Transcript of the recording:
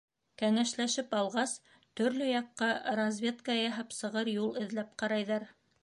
Кәңәшләшеп алғас, төрло яҡҡа разведка яһап сығыр юл эҙләп ҡарайҙар.